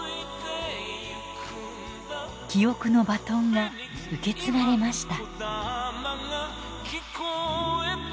記憶のバトンが受け継がれました。